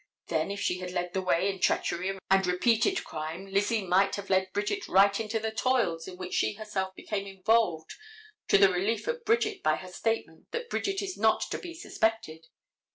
Then if she had led the way in treachery and repeated crime Lizzie might have led Bridget right into the toils in which she herself became involved to the relief of Bridget by her statement that Bridget is not to be suspected.